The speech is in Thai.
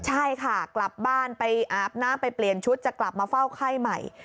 ใช่ค่ะกลับบ้านไปอาบน้ำไปเปลี่ยนชุดจะกลับมาเฝ้าไข้ใหม่